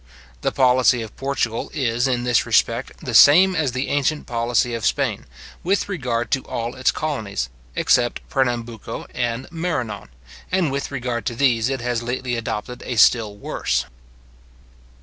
The policy of Portugal is, in this respect, the same as the ancient policy of Spain, with regard to all its colonies, except Pernambucco and Marannon; and with regard to these it has lately adopted a still worse.